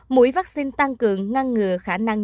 mũi vắc xin tăng cường của pfizer biontech hoặc moderna